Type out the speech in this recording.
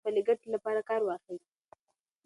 هغه د هېټلر له نوم څخه د خپلې ګټې لپاره کار واخيست.